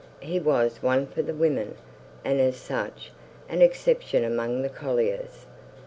He was one for the women, and as such, an exception among the colliers.